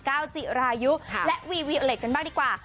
จิรายุและวีวิโอเล็ตกันบ้างดีกว่า